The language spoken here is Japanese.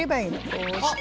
こうして。